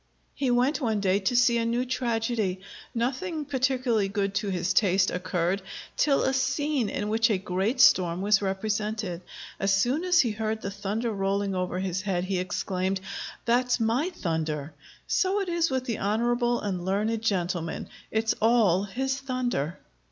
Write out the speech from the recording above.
He went one day to see a new tragedy. Nothing particularly good to his taste occurred till a scene in which a great storm was represented. As soon as he heard the thunder rolling over his head he exclaimed, "That's my thunder!" So it is with the honorable and learned gentleman: it's all his thunder.